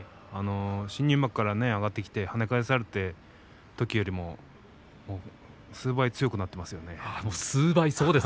新入幕から上がってはね返されたときよりも数倍強くなっていますね。